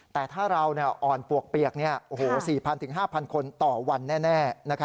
แต่ถ้าเราอ่อนปวกเปียก๔๐๐๕๐๐คนต่อวันแน่